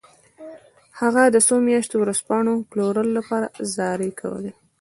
هغه څو میاشتې د ورځپاڼو پلورلو لپاره زارۍ کولې